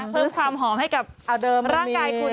เพิ่มความหอมให้กับร่างกายคุณ